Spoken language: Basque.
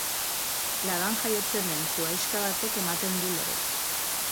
Laban jaiotzen den zuhaixka batek ematen du lorea.